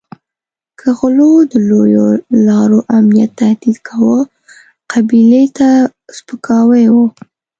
که غلو د لویو لارو امنیت تهدید کاوه قبیلې ته سپکاوی وو.